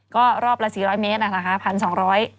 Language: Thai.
ก็รอบละ๔๐๐เมตร๑๒๐๐